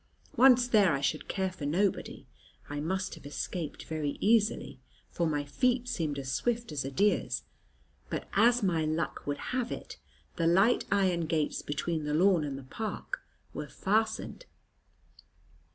Once there, I should care for nobody. I must have escaped very easily, for my feet seemed as swift as a deer's; but, as my luck would have it, the light iron gates between the lawn and the park were fastened.